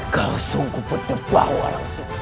kau sungguh berdebar